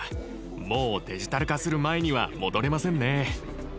もうデジタル化する前には戻れませんね。